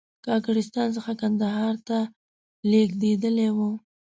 کاکړستان څخه کندهار ته لېږدېدلی و.